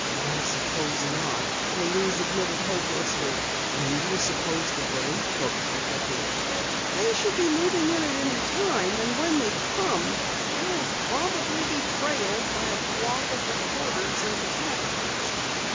"I suppose not," Louise admitted hopelessly. "When do you suppose the Relief folks will get here?" "They should be moving in at any time. And when they come they'll probably be trailed by a flock of reporters and photographers."